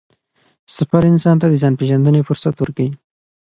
سفر انسان ته د ځان پېژندنې فرصت ورکوي